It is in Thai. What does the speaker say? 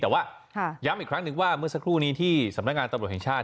แต่ว่าย้ำอีกครั้งหนึ่งว่าเมื่อสักครู่นี้ที่สำนักงานตำรวจแห่งชาติ